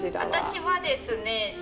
私はですね